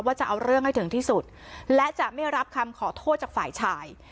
จะเอาเรื่องให้ถึงที่สุดและจะไม่รับคำขอโทษจากฝ่ายชาย